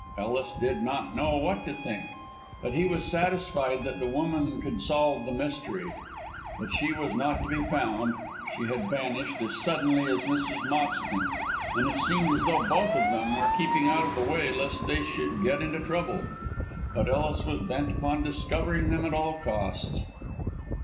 Ellis did not know what to think, but he was satisfied that the woman could solve the mystery. But she was not to be found; she had vanished as suddenly as Mrs. Moxton, and it seemed as though both of them were keeping out of the way lest they should get into trouble. But Ellis was bent upon discovering them at all costs.